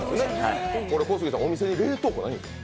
小杉さん、お店に冷凍庫ないんですよ。